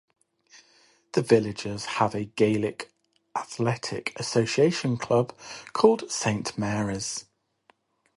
The villages have a Gaelic Athletic Association club called Saint Mary's.